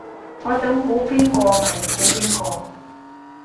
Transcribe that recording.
你想估邊個咪估邊個